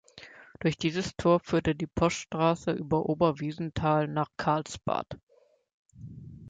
Durch dieses Tor führte die Poststraße über Oberwiesenthal nach Karlsbad.